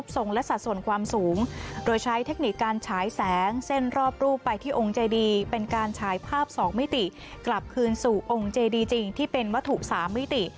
ที่องค์เจดีเป็นการฉายภาพสองมิติกลับคืนสู่องค์เจดีจริงที่เป็นวัตถุสามมิติ